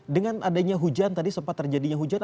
dengan adanya hujan tadi sempat terjadinya hujan